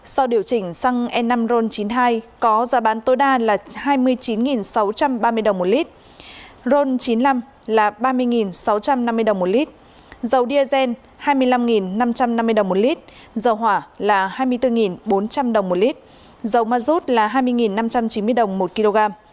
sau điều chỉnh xăng e năm ron chín mươi hai có giá bán tối đa là hai mươi chín sáu trăm ba mươi đồng một lít ron chín mươi năm là ba mươi sáu trăm năm mươi đồng một lít dầu diazen hai mươi năm năm trăm năm mươi đồng một lít dầu hỏa là hai mươi bốn bốn trăm linh đồng một lít dầu ma rút là hai mươi năm trăm chín mươi đồng một kg